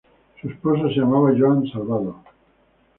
Su esposa se llamaba Joan Salvado.